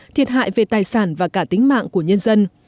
thiệt hại về tài sản và cả tính mạng của nhân dân